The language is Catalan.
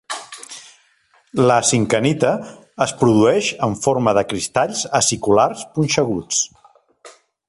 La zinkenita es produeix en forma de cristalls aciculars punxeguts.